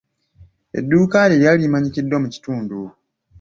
Edduuka lye lyali limanyikiddwa mu kitundu.